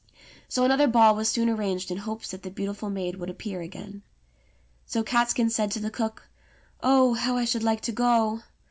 So another ball was soon arranged in hopes that the beauti ful maid would appear again. So Catskin said to the cook, "Oh, how I should like to go!"